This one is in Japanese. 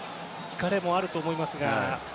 疲れもあると思いますが。